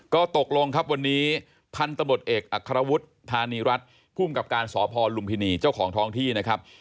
ก็ตกลงครับวันนี้ท่านตำรวจเอกอัคคาระวุฒิธานีรัฐผู้กับการสอบภลุมพินีเจ้าของท้องที่นะครับ